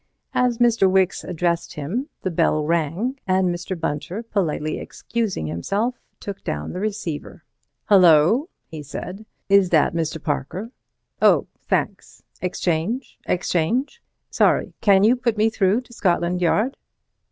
As Mr. Wicks addressed him the bell rang, and Mr. Bunter, politely excusing himself, took down the receiver. "Hullo!" he said. "Is that Mr. Parker? Oh, thanks! Exchange! Exchange! Sorry, can you put me through to Scotland Yard?